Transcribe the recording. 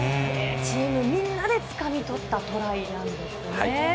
チームみんなでつかみ取ったトライなんですね。